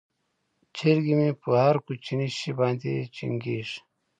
چرګې مې په هر کوچني شي باندې جنګیږي.